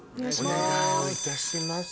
お願いをいたします。